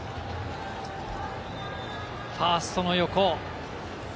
ファーストの横。